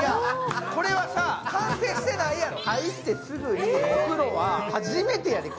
これは完成してないやろ。